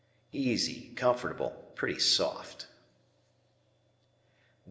Easy; comfortable; "pretty soft."